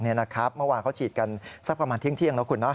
เมื่อวานเขาฉีดกันสักประมาณเที่ยงนะคุณ